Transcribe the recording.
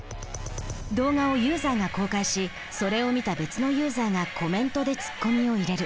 動画をユーザーが公開しそれを見た別のユーザーがコメントでツッコミを入れる。